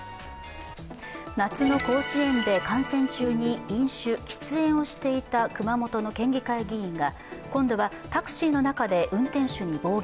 夏の甲子園で観戦中に飲酒・喫煙をしていた熊本の県議会議員が今度はタクシーの中で運転手に暴言。